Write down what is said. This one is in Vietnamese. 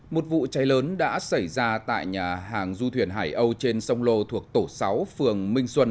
một vụ cháy lớn đã xảy ra tại nhà hàng du thuyền hải âu trên sông lô thuộc tổ sáu phường minh xuân